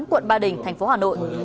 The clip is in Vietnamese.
quận ba đình thành phố hà nội